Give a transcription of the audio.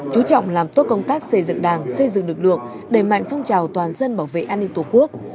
chú trọng làm tốt công tác xây dựng đảng xây dựng lực lượng đẩy mạnh phong trào toàn dân bảo vệ an ninh tổ quốc